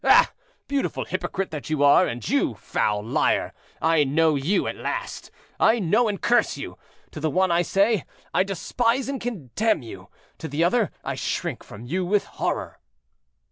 Ah! beautiful hypocrite that you are, and you, foul liar, I know you at last—I know and curse you. To the one I say, I despise and contemn you: to the other, I shrink from you with horror."